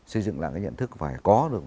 xây dựng lại cái nhận thức phải có được